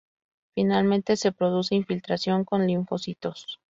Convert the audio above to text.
Finalmente se produce infiltración con linfocitos.